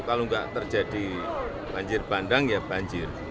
kalau nggak terjadi banjir bandang ya banjir